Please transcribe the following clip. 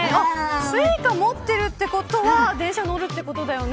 Ｓｕｉｃａ持ってるってことは電車乗るってことだよね。